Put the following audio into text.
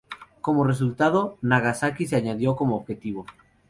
Como resultado, Nagasaki se añadió como objetivo.